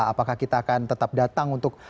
apakah kita akan tetap datang untuk